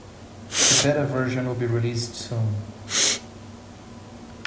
The Beta version will be released soon.